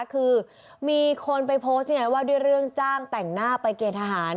คือมีคนไปโพสต์ไงว่าด้วยเรื่องจ้างแต่งหน้าไปเกณฑหาร